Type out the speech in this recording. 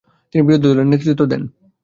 তিনি বিরোধী দলের নেতৃত্ব দেন।